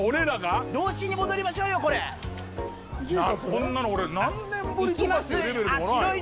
こんなの俺何年ぶりとかっていうレベルでもない。